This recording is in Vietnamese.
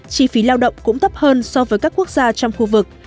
chi phí lao động cũng thấp hơn so với các quốc gia trong khu vực